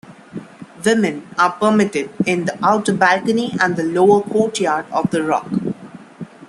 Women are permitted in the outer balcony and the lower courtyard of the rock.